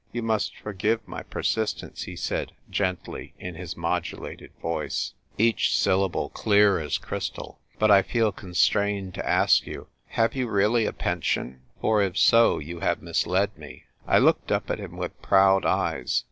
"You must forgive my persistence," he said, gently, in his modulated voice — each syllable clear as crystal — "but I feel con strained to ask you. Have you really a pension ?.... For if so, you have misled me." I looked up at him with proud eyes.